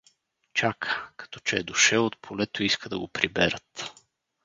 Чака — като че е дошел от полето и иска да го приберат.